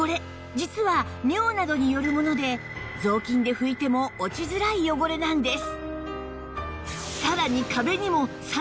実は尿などによるもので雑巾で拭いても落ちづらい汚れなんです